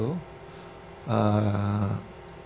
kita selalu ada kayak briefing ya